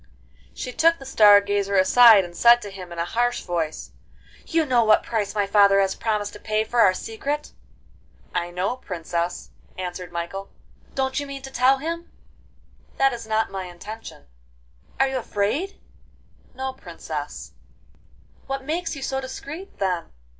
She took the Star Gazer aside, and said to him in a harsh voice: 'You know what price my father has promised to pay for our secret?' 'I know, Princess,' answered Michael. 'Don't you mean to tell him?' 'That is not my intention.' 'Are you afraid?' 'No, Princess.' 'What makes you so discreet, then?